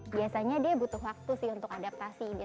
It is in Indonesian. biasanya dia butuh waktu sih untuk adaptasi